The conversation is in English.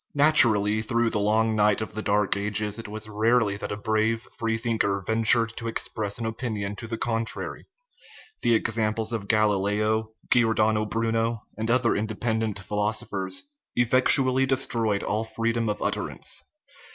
Naturally, through the long night of the Dark Ages it was rarely that a brave free thinker ventured to ex press an opinion to the contrary : the examples of Gal ileo, Giordano Bruno, and other independent philos ophers, effectually destroyed all freedom of utterance.